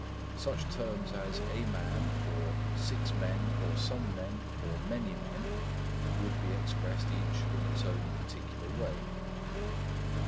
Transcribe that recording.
Such terms as "a man," or "six men," or "some men," or "many men," would be expressed each in its own particular way.